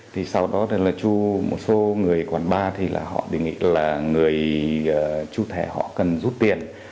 thì sau đó là chú một số người quản ba thì họ định nghĩ là người chú thẻ họ cần rút tiền